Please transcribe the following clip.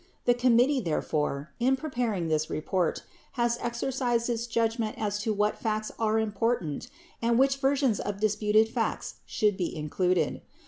The committee, therefore, in preparing this report, has exercised its judgment as to what facts are important and which versions of disputed facts should be included.